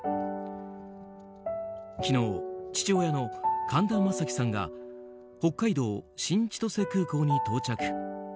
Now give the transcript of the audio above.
昨日、父親の神田正輝さんが北海道・新千歳空港に到着。